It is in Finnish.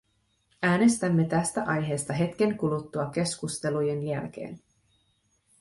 Äänestämme tästä aiheesta hetken kuluttua keskustelujen jälkeen.